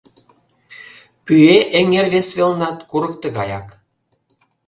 — Пӱэ эҥер вес велнат курык тыгаяк.